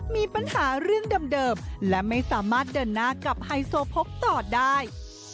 มีปัญหาเรื่องเดิมและไม่สามารถเดินหน้ากับไฮโซโพกต่อได้